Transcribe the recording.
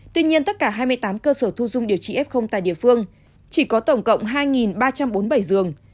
tuy nhiên tất cả hai mươi tám cơ sở thu dung điều trị f tại địa phương chỉ có tổng cộng hai ba trăm bốn mươi bảy giường